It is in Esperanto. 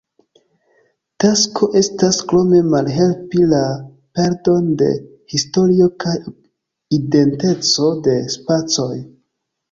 Tasko estas krome malhelpi la perdon de historio kaj identeco de spacoj.